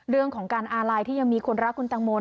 เรื่องของการอาลัยที่ยังมีคนรักคุณตังโม